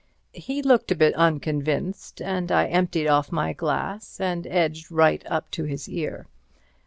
He looked a bit unconvinced, and I emptied off my glass, and edged right up to his ear.